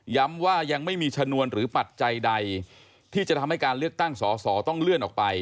ว่ายังไม่มีชนวนหรือปัจจัยใดที่จะทำให้การเลือกตั้งสอสอต้องเลื่อนออกไป